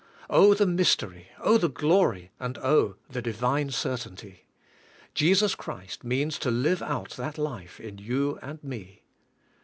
Oh, the mystery! Oh, the glory! And oh, the Divine certainty. Jesus Christ means to live out that life in you and me.